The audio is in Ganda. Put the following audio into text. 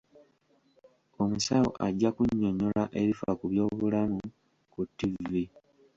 Omusawo ajja kunyonnyola ebifa ku by'obulamu ku ttivvi.